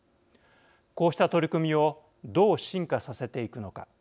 こうした取り組みをどう進化させていくのか。